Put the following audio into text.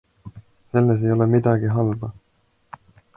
Selles ei ole midagi halba.